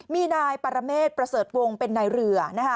มีนายปรเมษประเสริฐวงเป็นนายเรือ